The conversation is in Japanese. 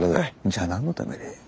じゃあ何のために？